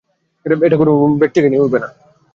এটা অন্য কোনো ব্যক্তিকে নিয়ে উড়বে না।